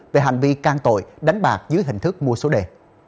về hành vi can tội đánh bạc dưới hình thức mua số đề